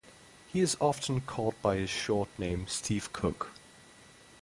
He is often called by his short name Steve Cook.